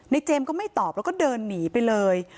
เจมส์ก็ไม่ตอบแล้วก็เดินหนีไปเลย